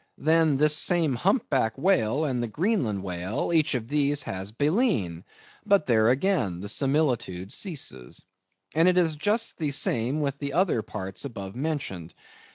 Then, this same humpbacked whale and the Greenland whale, each of these has baleen; but there again the similitude ceases. And it is just the same with the other parts above mentioned.